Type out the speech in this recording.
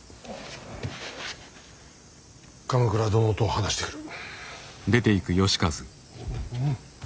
鎌倉殿と話してくる。